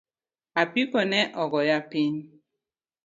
Apiko neogoya piny